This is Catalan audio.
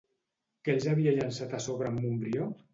Què els havia llançat a sobre en Montbrió?